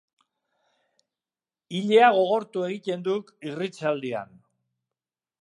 Ilea gogortu egiten duk irritsaldian.